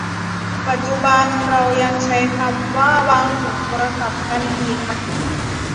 ปัจจุบันเรายังใช้คำว่าวางหูโทรศัพท์กันอีกไหม